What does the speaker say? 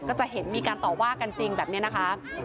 ก็จะเห็นมีการต่อว่ากันจริงแบบนี้นะคะ